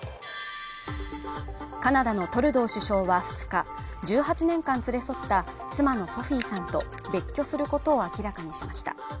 カナダのトルドー首相は２日１８年間連れ添った妻のソフィーさんと別居することを明らかにしました